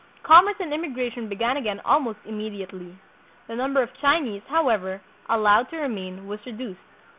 Commerce and immigration began again almost immediately. The number of Chinese, however, allowed to remain was reduced.